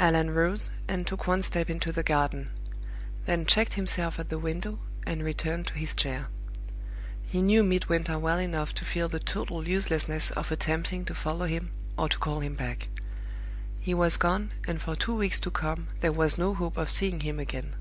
Allan rose, and took one step into the garden; then checked himself at the window, and returned to his chair. He knew Midwinter well enough to feel the total uselessness of attempting to follow him or to call him back. He was gone, and for two weeks to come there was no hope of seeing him again.